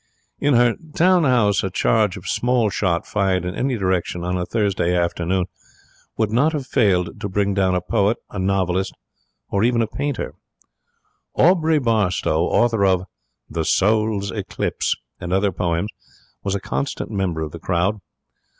In her town house a charge of small shot, fired in any direction on a Thursday afternoon, could not have failed to bring down a poet, a novelist, or a painter. Aubrey Barstowe, author of The Soul's Eclipse and other poems, was a constant member of the crowd.